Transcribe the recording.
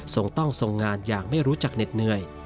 ต้องทรงงานอย่างไม่รู้จักเหน็ดเหนื่อย